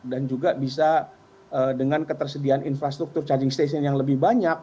dan juga bisa dengan ketersediaan infrastruktur charging station yang lebih banyak